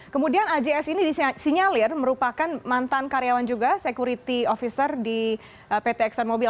kemudian ajs ini disinyalir merupakan mantan karyawan juga security officer di pt exxon mobil